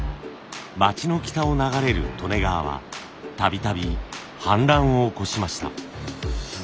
町の北を流れる利根川はたびたび氾濫を起こしました。